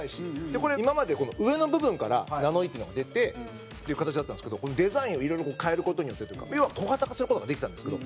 これ、今まで、上の部分からナノイーっていうのが出てっていう形だったんですけどデザインを、いろいろ変える事によって要は、小型化する事ができたんですけど。